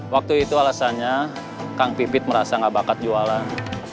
waktu itu alasannya kang pipit merasa nggak bakat jualan